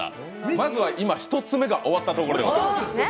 まずは今、１つ目が終わったところです。